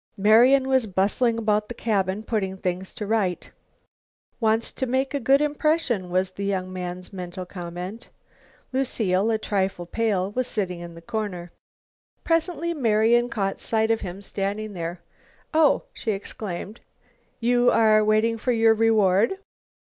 Marian was bustling about the cabin, putting things to rights. "Wants to make a good impression," was the young man's mental comment. Lucile, a trifle pale, was sitting in the corner. Presently Marian caught sight of him standing there. "Oh!" she exclaimed, "you are waiting for your reward?"